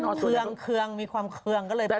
เครื่องเครื่องมีความเครื่องก็เลยพักกัน